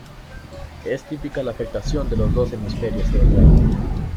Es típica la afectación de los dos hemisferios cerebrales.